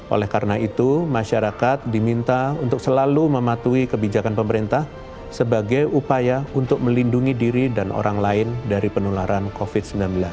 oleh karena itu masyarakat diminta untuk selalu mematuhi kebijakan pemerintah sebagai upaya untuk melindungi diri dan orang lain dari penularan covid sembilan belas